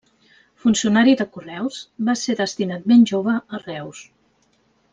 Funcionari de Correus, va ser destinat ben jove a Reus.